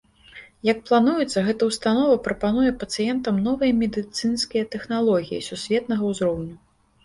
Як плануецца, гэта ўстанова прапануе пацыентам новыя медыцынскія тэхналогіі сусветнага ўзроўню.